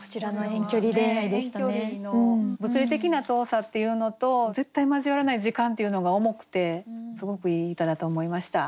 遠距離の物理的な遠さっていうのと絶対交わらない時間っていうのが重くてすごくいい歌だと思いました。